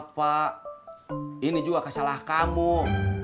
kita udah wrestler precisa dulu